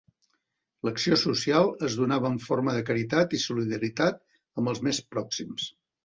L'acció social es donava en forma de caritat i solidaritat amb els més pròxims.